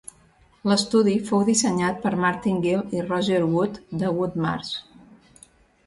L'estudi fou dissenyat per Martin Gill i Roger Wood de Wood Marsh.